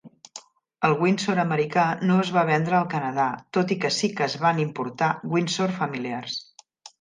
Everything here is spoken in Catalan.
El Windsor americà no es va vendre al Canadà, tot i que sí que es van importar Windsor familiars.